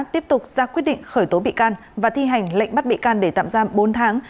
tiếp tục ra quyết định khởi tố bị can và thi hành lệnh bắt bị can để tạm giam bốn tháng